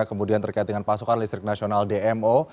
kemudian terkait dengan pasokan listrik nasional dmo